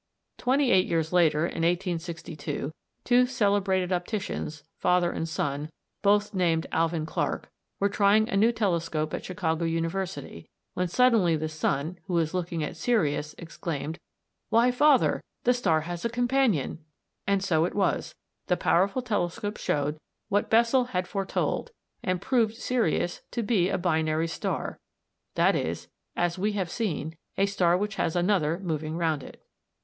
Twenty eight years later, in 1862, two celebrated opticians, father and son, both named Alvan Clark, were trying a new telescope at Chicago University, when suddenly the son, who was looking at Sirius, exclaimed, "Why, father, the star has a companion!" And so it was. The powerful telescope showed what Bessel had foretold, and proved Sirius to be a "binary" star that is, as we have seen, a star which has another moving round it.